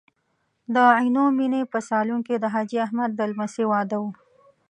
د عینومېنې په سالون کې د حاجي احمد د لمسۍ واده و.